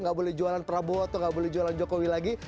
nggak boleh jualan prabowo atau nggak boleh jualan jokowi lagi